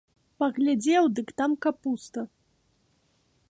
Паглядзеў, дык там капуста.